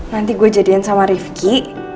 nanti gue jadikan sama rifqi